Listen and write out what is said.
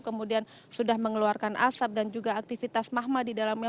kemudian sudah mengeluarkan asap dan juga aktivitas mahma di dalamnya